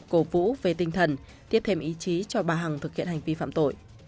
cổ vũ về tinh thần tiếp thêm ý chí cho bà hằng thực hiện hành vi phạm tội